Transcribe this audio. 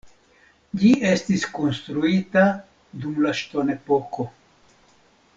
Ĝi estis konstruita dum la ŝtonepoko.